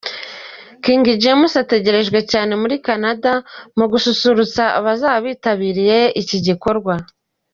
King James ategerejwe cyane muri Canada mu gususurutsa abazaba bitabiriye iki gikorwa.